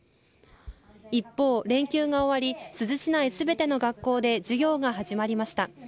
一方、連休が終わり、珠洲市内すべての学校で授業が始まりました。